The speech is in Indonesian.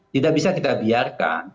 tidak bisa kita biarkan